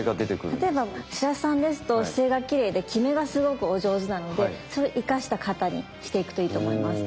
例えば白洲さんですと姿勢がきれいで極めがすごくお上手なのでそれを生かした形にしていくといいと思います。